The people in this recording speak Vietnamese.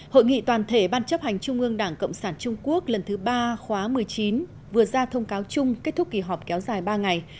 hội nghị toàn thể ban chấp hành trung ương đảng cộng sản trung quốc lần thứ ba khóa một mươi chín vừa ra thông cáo chung kết thúc kỳ họp kéo dài ba ngày